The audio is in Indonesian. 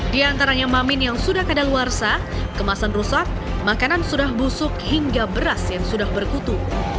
di antaranya mamin yang sudah kadaluarsa kemasan rusak makanan sudah busuk hingga beras yang sudah berkutu